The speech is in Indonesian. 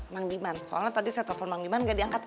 mang diman soalnya tadi saya telepon mang diman nggak diangkat